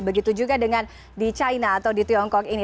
begitu juga dengan di china atau di tiongkok ini